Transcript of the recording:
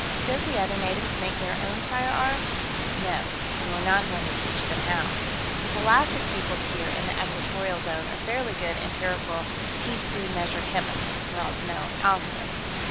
"Don't the other natives make their own firearms?" "No, and we're not going to teach them how. The thalassic peoples here in the Equatorial Zone are fairly good empirical, teaspoon measure, chemists. Well, no, alchemists.